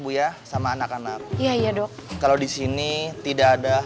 buya sama anak anak iya dok kalau di sini tidak ada